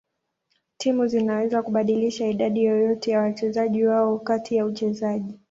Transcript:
Timu zinaweza kubadilisha idadi yoyote ya wachezaji wao kati ya uchezaji.